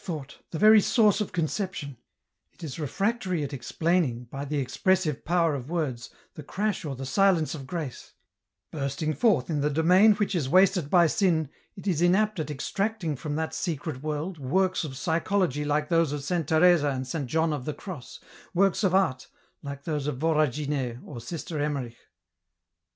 T49 thought, the very source of conception ; it is refractory at explaining, b) the expressive power of words, the crash or the silence of grace ; bursting forth in the domain which is wasted by sin, it is inapt at extracting from that secret world, works of psychology like those of Saint Teresa and Saint John of the Cross, works of art, like those of Voragine or Sister Emmerich.